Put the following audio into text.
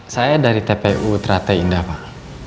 saya dari tpu trate indah pak